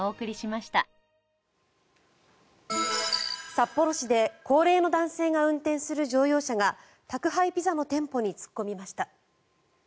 札幌市で高齢の男性が運転する乗用車が宅配ピザの店舗に突っ込みました。